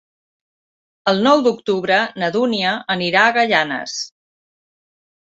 El nou d'octubre na Dúnia anirà a Gaianes.